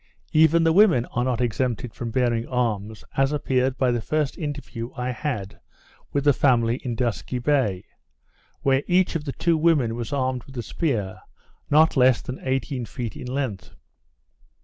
Even the women are not exempted from bearing arms, as appeared by the first interview I had with the family in Dusky Bay; where each of the two women was armed with a spear, not less than 18 feet in length.